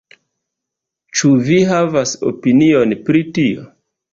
Ĉu vi havas opinion pri tio?